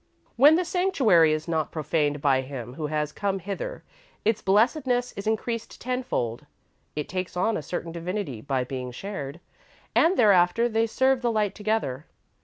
When the sanctuary is not profaned by him who has come hither, its blessedness is increased ten fold; it takes on a certain divinity by being shared, and thereafter, they serve the light together.